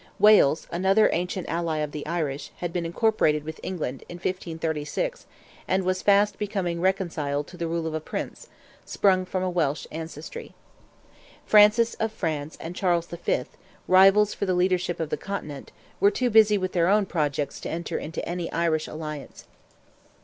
Wales, another ancient ally of the Irish, had been incorporated with England, in 1536, and was fast becoming reconciled to the rule of a Prince, sprung from a Welsh ancestry. Francis of France and Charles V., rivals for the leadership of the Continent, were too busy with their own projects to enter into any Irish alliance.